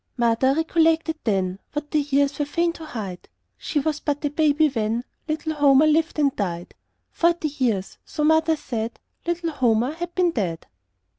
Mother recollected then What the years were fain to hide She was but a baby when Little Homer lived and died; Forty years, so mother said, Little Homer had been dead.